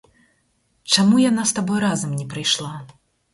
Чаму яна з табой разам не прыйшла?